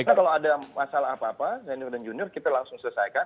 kita kalau ada masalah apa apa senior dan junior kita langsung selesaikan